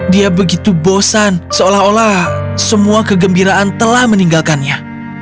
dia begitu bosan seolah olah semua kegembiraan telah meninggalkannya